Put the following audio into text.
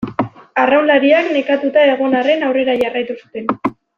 Arraunlariak nekatuta egon arren aurrera jarraitu zuten.